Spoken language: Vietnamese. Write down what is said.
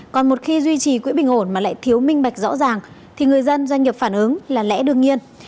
còn một khi duy trì quỹ bình ổn mà lại thiếu minh bạch rõ ràng thì người dân doanh nghiệp phản ứng là lẽ đương nhiên